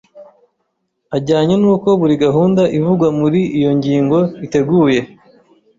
ajyanye n’uko buri gahunda ivugwa muri iyi ngingo iteguye.